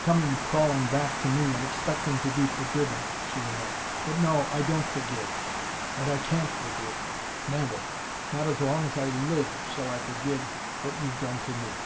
"Coming crawling back to me, and expecting to be forgiven," she went on. "But no I don't forgive and I can't forgive never not as long as I live shall I forgive what you've done to me."